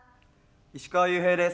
石川裕平です。